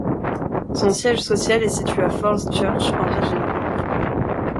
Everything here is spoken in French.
Son siège social est situé à Falls Church, en Virginie.